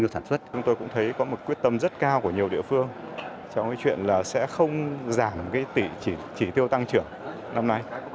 chúng tôi cũng thấy có một quyết tâm rất cao của nhiều địa phương trong cái chuyện là sẽ không giảm cái tỷ chỉ tiêu tăng trưởng năm nay